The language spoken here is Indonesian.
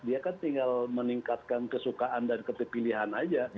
dia kan tinggal meningkatkan kesukaan dan keterpilihan aja